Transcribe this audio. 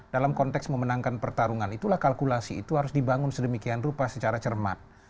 dalam konteks memenangkan pertarungan itulah kalkulasi itu harus dibangun sedemikian rupa secara cermat